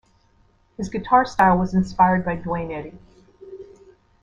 His guitar style was inspired by Duane Eddy.